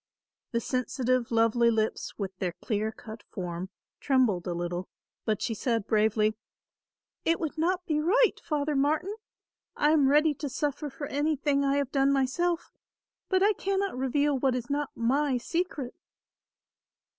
The sensitive lovely lips with their clear cut form, trembled a little, but she said bravely, "It would not be right, Father Martin. I am ready to suffer for anything I have done myself, but I cannot reveal what is not my secret."